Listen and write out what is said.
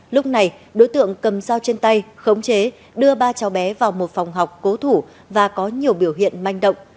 lúc này đối tượng cầm dao trên tay khống chế đưa ba cháu bé vào một phòng học cố thủ và có nhiều biểu hiện manh động